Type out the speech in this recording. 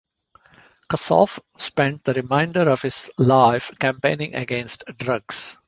Kossoff spent the remainder of his life campaigning against drugs.